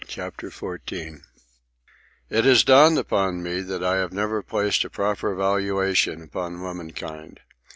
CHAPTER XIV It has dawned upon me that I have never placed a proper valuation upon womankind.